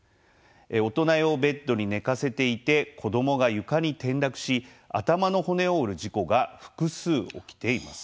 大人用ベッドに寝かせていて子どもが床に転落し頭の骨を折る事故が複数、起きています。